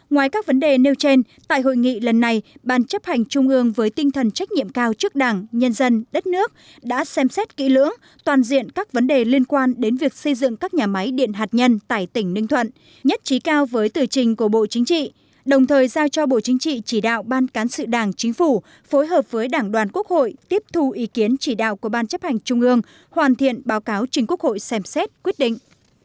ngoài các vấn đề nêu trên tại hội nghị lần này bản chấp hành trung ương với tinh thần trách nhiệm cao trước đảng nhân dân đất nước đã xem xét kỹ lưỡng toàn diện các vấn đề liên quan đến việc xây dựng các nhà máy điện hạt nhân tại tỉnh ninh thuận nhất trí cao với tử trình của bộ chính trị đồng thời giao cho bộ chính trị chỉ đạo ban cán sự đảng chính phủ phối hợp với đảng đoàn quốc hội tiếp thu ý kiến chỉ đạo của bản chấp hành trung ương hoàn thiện báo cáo chính quốc hội xem xét quyết định